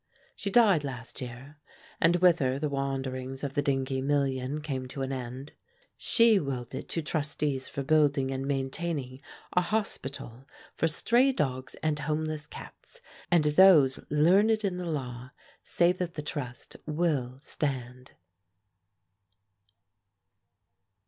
She died last year and with her the wanderings of the Dingee million came to an end. She willed it to trustees for building and maintaining a Hospital for Stray Dogs and Homeless Cats, and those learned in the law say that the trust will stand.